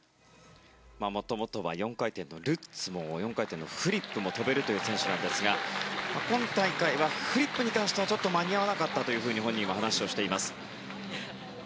もともとは４回転ルッツも４回転フリップも跳べる選手ですが今大会、フリップに関しては間に合わなかったと本人は話をしています。